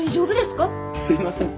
すいません。